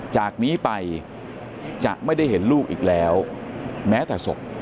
จากนี้ไปจะไม่ได้เห็นลูกอีกแล้วแม้แต่ศพ